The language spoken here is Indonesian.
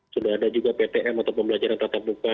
sudah ada juga ptm atau pembelajaran tatap muka